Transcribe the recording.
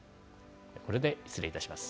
これで失礼いたします。